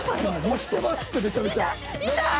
押してますってめちゃめちゃ。